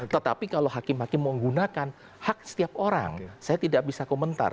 tetapi kalau hakim hakim menggunakan hak setiap orang saya tidak bisa komentar